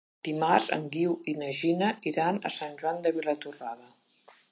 Dimarts en Guiu i na Gina iran a Sant Joan de Vilatorrada.